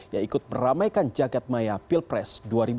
yang ikut meramaikan jagad maya pilpres dua ribu dua puluh